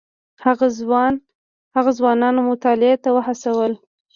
هغه ځوانان مطالعې ته وهڅول.